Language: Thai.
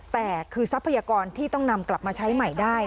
แต่คือทรัพยากรที่ต้องนำกลับมาใช้ใหม่ได้